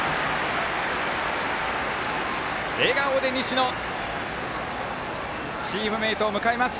笑顔で西野チームメートを迎えます。